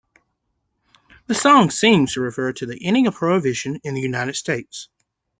The song seems to refer to the ending of Prohibition in the United States.